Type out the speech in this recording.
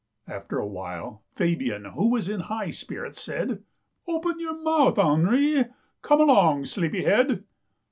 After a while, Fabian, who was in high spirits, said :" Open your mouth, Henri. Come along, sleepy head."